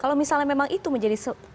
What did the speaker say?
kalau misalnya memang itu menjadi